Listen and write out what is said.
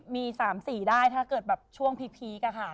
มี๓๔ได้ถ้าเกิดช่วงพีก่อนค่ะ